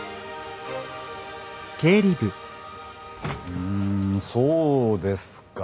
うんそうですか。